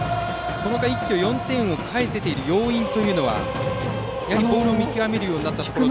この回一挙４点を返せている要因はやはりボールを見極めるようになったことでしょうか。